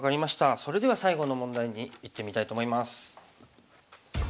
それでは最後の問題にいってみたいと思います。